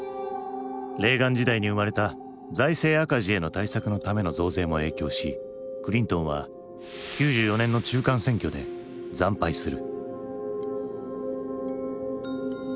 レーガン時代に生まれた財政赤字への対策のための増税も影響しクリントンは９４年の中間選挙で惨敗する。